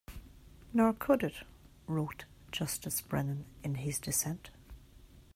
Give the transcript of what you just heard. Nor could it, wrote Justice Brennan in his dissent.